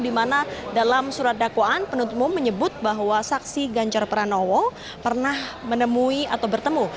di mana dalam surat dakwaan penuntut umum menyebut bahwa saksi ganjar pranowo pernah menemui atau bertemu